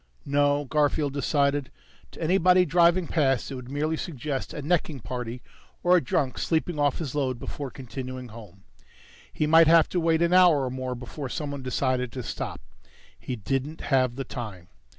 No, Garfield decided. To anybody driving past it would merely suggest a necking party, or a drunk sleeping off his load before continuing home. He might have to wait an hour or more before someone decided to stop. He didn't have the time.